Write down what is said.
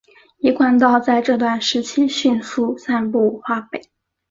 一贯道在这段时期迅速散布华北。